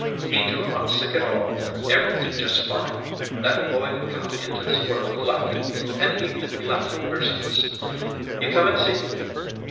Angel not sick at all. Everything just fine. That boy he come into this world laughin', and he been laughin' ever since. You come an' see!"